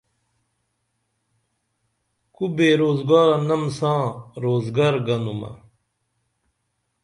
کو بے روزگارہ نم ساں روزگر گنُمہ